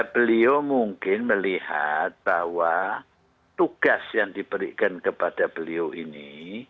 beliau mungkin melihat bahwa tugas yang diberikan kepada beliau ini